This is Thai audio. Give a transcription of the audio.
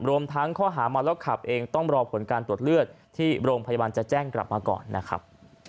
รวมทั้งข้อหาเมาแล้วขับเองต้องรอผลการตรวจเลือดที่โรงพยาบาลจะแจ้งกลับมาก่อนนะครับ